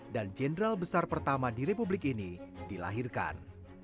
dan jenderal besar pertama di republik ini dilahirkan